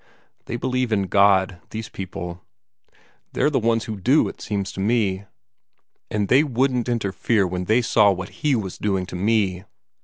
They believe in God, those people. They're the only ones who do, it seems to me. And they wouldn't interfere when they saw what He was doing to me.